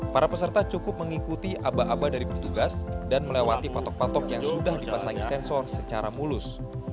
para peserta cukup mengikuti aba aba dari petugas dan melewati patok patok yang sudah dipasangi sensor secara mulus